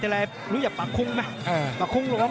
สายกับขวาคู่นี้น่ารักเลยนะครับ